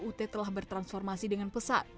ut telah bertransformasi dengan pesat